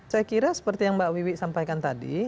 saya kira seperti yang mbak wiwi sampaikan tadi